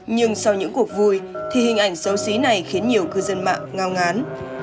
nhưng sau những cuộc vui thì hình ảnh xấu xí này khiến nhiều cư dân mạng ngao ngán